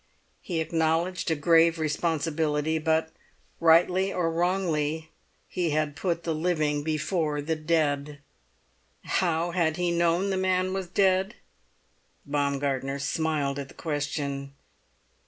He acknowledged a grave responsibility, but rightly or wrongly he had put the living before the dead. How had he known the man was dead? Baumgartner smiled at the question.